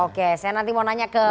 oke saya nanti mau nanya ke